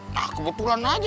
nah kebetulan aja